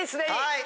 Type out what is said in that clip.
はい！